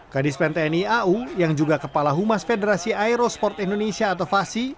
kadis pen tni au yang juga kepala humas federasi aerosport indonesia atau fasi